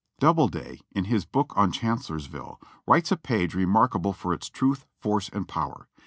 Doubleday, in his book on Chancellorsville, writes a page re markable for its truth, force and power.